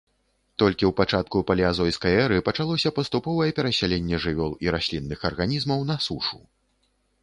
Толькі ў пачатку палеазойскай эры пачалося паступовае перасяленне жывёл і раслінных арганізмаў на сушу.